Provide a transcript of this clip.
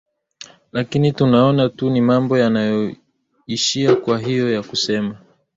lakini tunaona tu ni mambo yanayo ishia kwa hiyo ya kusema